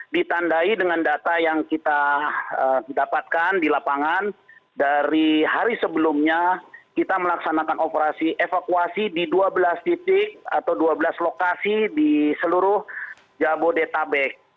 ditandai dengan data yang kita dapatkan di lapangan dari hari sebelumnya kita melaksanakan operasi evakuasi di dua belas titik atau dua belas lokasi di seluruh jabodetabek